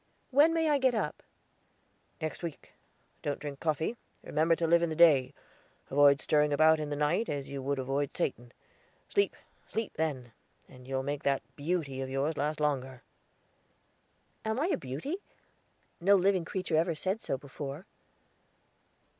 "When may I get up?" "Next week; don't drink coffee. Remember to live in the day. Avoid stirring about in the night, as you would avoid Satan. Sleep, sleep then, and you'll make that beauty of yours last longer." "Am I a beauty? No living creature ever said so before."